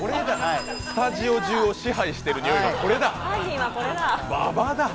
スタジオ中を支配している匂いは、これだ。